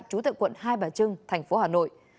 trú tại quận hai bà trưng thành phố hà nội